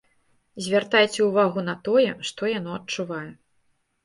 Звяртайце ўвагу на тое, што яно адчувае.